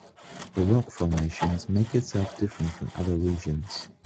The rock formations make itself different from other regions.